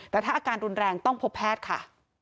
แต่ถ้าอาการรุนแรงต้องพบแพทย์ค่ะ